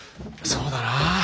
そうだな。